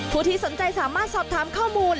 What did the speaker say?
ผู้ที่สนใจสามารถสอบถามข้อมูล